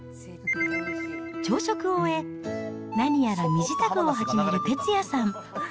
朝食を終え、何やら身支度を始める哲也さん。